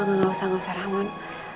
enggak ma enggak usah rahman